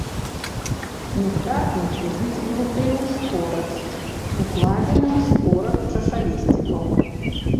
Нектарнікі выцягнутыя ў шпорац, укладзены ў шпорац чашалісцікаў.